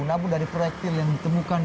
namun dari proyektil yang ditemukan